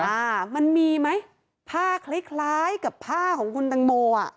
อ่ามันมีไหมผ้าคล้ายคล้ายกับผ้าของคุณตังโมอ่ะ